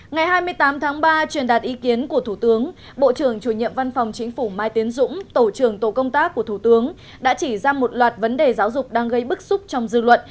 ngày hai mươi tám tháng ba truyền đạt ý kiến của thủ tướng bộ trưởng chủ nhiệm văn phòng chính phủ mai tiến dũng tổ trưởng tổ công tác của thủ tướng đã chỉ ra một loạt vấn đề giáo dục đang gây bức xúc trong dư luận